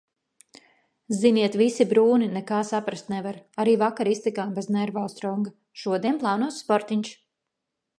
Ziniet, visi brūni, nekā saprast nevar. Arī vakar iztikām bez nervostronga. Šodien plānos sportiņš.